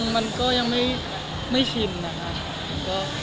มันก็ยังไม่ชินนะคะ